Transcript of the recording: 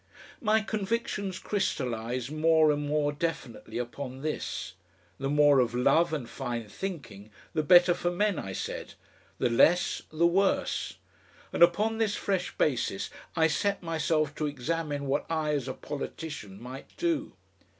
My convictions crystallised more and more definitely upon this. The more of love and fine thinking the better for men, I said; the less, the worse. And upon this fresh basis I set myself to examine what I as a politician might do.